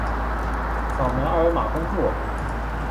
扫描二维码关注我们。